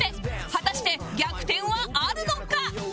果たして逆転はあるのか？